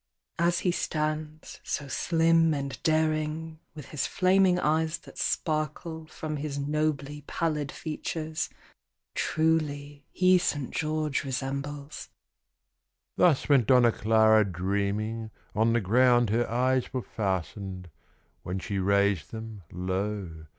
"As he stands, so slim and daring, With his flaming eyes that sparkle From his nobly pallid features, Truly he St. George resembles." Thus went Donna Clara dreaming, On the ground her eyes were fastened, When she raised them, lo!